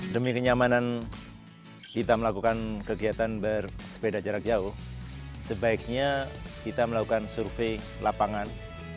demi kenyamanan kita melakukan kegiatan bersepeda jarak jauh sebaiknya kita melakukan survei lapangan